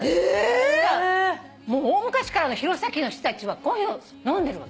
もう大昔から弘前の人たちはコーヒーを飲んでるわけ。